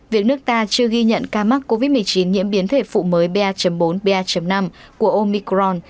việc nước ta chưa ghi nhận ca mắc covid một mươi chín nhiễm biến thể phụ mới ba bốn ba năm của omicron